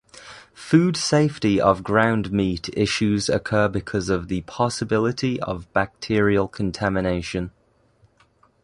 Food safety of ground meat issues occur because of the possibility of bacterial contamination.